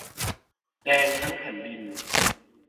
แดงทั้งแผ่นดิน